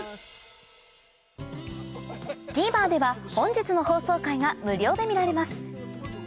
ＴＶｅｒでは本日の放送回が無料で見られます